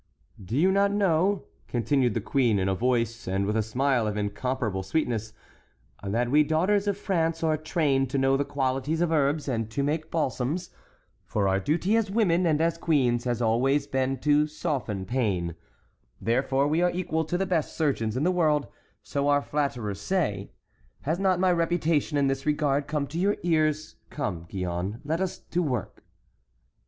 "Do you not know," continued the queen in a voice and with a smile of incomparable sweetness, "that we daughters of France are trained to know the qualities of herbs and to make balsams? for our duty as women and as queens has always been to soften pain. Therefore we are equal to the best surgeons in the world; so our flatterers say! Has not my reputation in this regard come to your ears? Come, Gillonne, let us to work!"